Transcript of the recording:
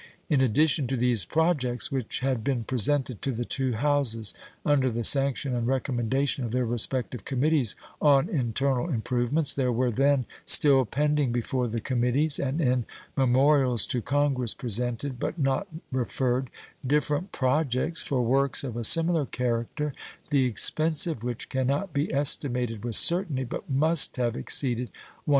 In addition to these projects, which had been presented to the two Houses under the sanction and recommendation of their respective Committees on Internal Improvements, there were then still pending before the committees, and in memorials to Congress presented but not referred, different projects for works of a similar character, the expense of which can not be estimated with certainty, but must have exceeded $100,000,000.